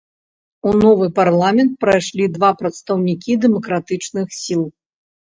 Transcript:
У новы парламент прайшлі два прадстаўнікі дэмакратычных сіл.